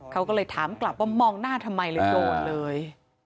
เขาก็เลยถามกลับว่ามองหน้าทำไมเลยโดนเลย